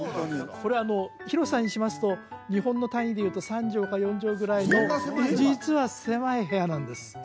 これはあの広さにしますと日本の単位でいうと３畳か４畳ぐらいの実は狭い部屋なんですええ